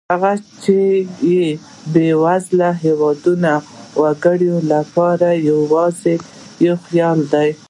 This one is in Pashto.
هغه څه چې د بېوزلو هېوادونو وګړو لپاره یوازې یو خیال دی.